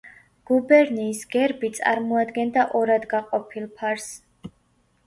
გუბერნიის გერბი წარმოადგენდა ორად გაყოფილ ფარს.